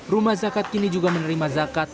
rumah zakat kini juga menerima zakat